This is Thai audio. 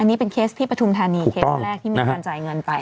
อันนี้เป็นเคสที่ปฐุมธานีเคสแรกที่มีการจ่ายเงินไป